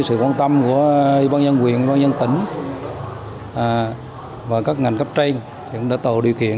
sự quan tâm của băng dân quyền băng dân tỉnh và các ngành cấp tranh đã tổ điều kiện